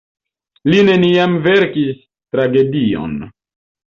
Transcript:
Li neniam verkis tragedion.